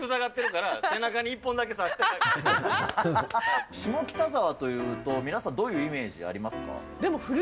両手塞がってるから、下北沢というと、皆さんどういうイメージありますか。